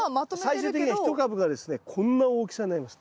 最終的には一株がですねこんな大きさになります。